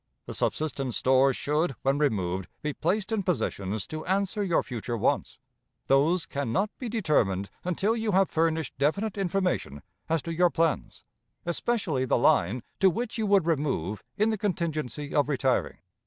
"The subsistence stores should, when removed, be placed in positions to answer your future wants. Those can not be determined until you have furnished definite information as to your plans, especially the line to which you would remove in the contingency of retiring.